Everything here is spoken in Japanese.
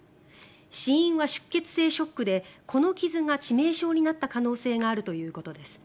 死因は出血性ショックでこの傷が致命傷になった可能性があるということです。